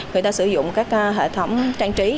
người ta sử dụng các hệ thống trang trí